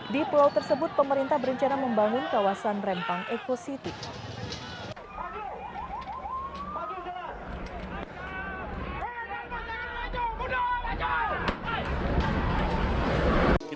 di pulau tersebut pemerintah berencana membangun kawasan rempang ekositi